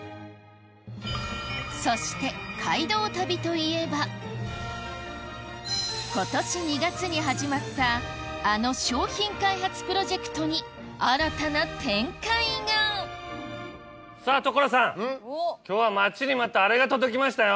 そして街道旅といえば今年２月に始まったあの商品開発プロジェクトに新たな展開がさぁ所さん今日は待ちに待ったあれが届きましたよ！